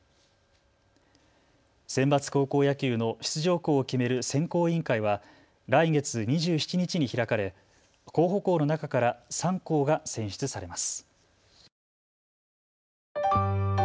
センバツ高校野球の出場校を決める選考委員会は来月２７日に開かれ、候補校の中から３校が選出されます。